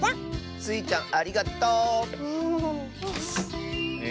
スイちゃんありがとう！え